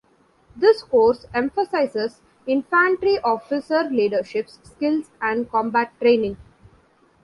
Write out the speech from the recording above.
This course emphasizes infantry officer leaderships skills and combat training.